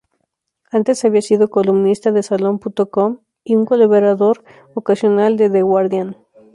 Antes había sido columnista de "Salon.com" y un colaborador ocasional de "The Guardian".